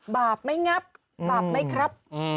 บาปไม่งับบาปไหมครับ